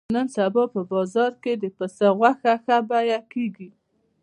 نن سبا په بازار کې د پسه غوښه ښه بیه کېږي.